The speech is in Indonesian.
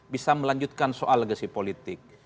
bisa melanjutkan soal legasi politik